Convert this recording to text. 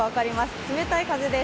冷たい風です